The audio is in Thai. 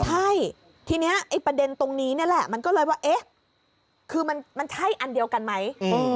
ใช่ทีนี้ไอ้ประเด็นตรงนี้นี่แหละมันก็เลยว่าเอ๊ะคือมันใช่อันเดียวกันไหม